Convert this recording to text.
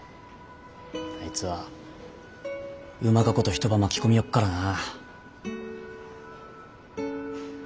あいつはうまかこと人ば巻き込みよっからな。